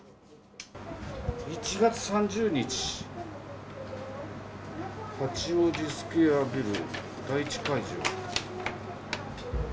１月３０日、八王子スクエアビル第１会場。